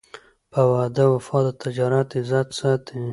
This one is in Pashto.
په وعده وفا د تجارت عزت ساتي.